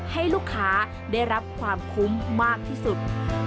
ให้ลูกค้าได้รับความคุ้มมากที่สุด